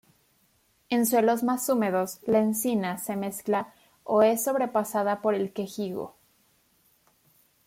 En suelos más húmedos la encina se mezcla o es sobrepasada por el quejigo.